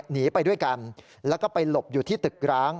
หนีไปด้วยกันแล้วก็ไปหลบอยู่ที่ตึกร้าง